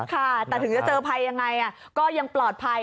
ค่ะแต่ถึงจะเจอภัยยังไงก็ยังปลอดภัย